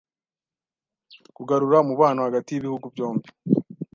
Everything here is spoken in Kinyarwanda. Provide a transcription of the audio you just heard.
kugarura umubano hagati y’ibihugu byombi.